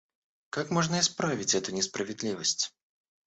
Как можно исправить эту несправедливость?